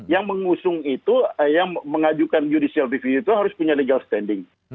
yang mengusung itu yang mengajukan judicial review itu harus punya legal standing